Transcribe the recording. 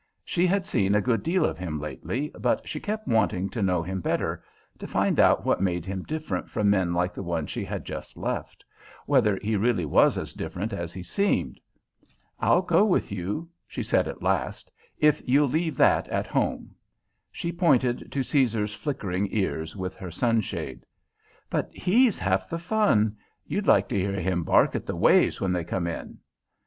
She had seen a good deal of him lately, but she kept wanting to know him better, to find out what made him different from men like the one she had just left whether he really was as different as he seemed. "I'll go with you," she said at last, "if you'll leave that at home." She pointed to Caesar's flickering ears with her sunshade. "But he's half the fun. You'd like to hear him bark at the waves when they come in."